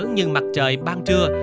nhưng mặt trời ban trưa